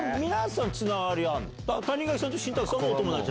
谷垣さんと新宅さんはお友達？